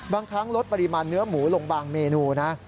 บางครั้งลดปริมาณเนื้อหมูลงบางเมนูนะ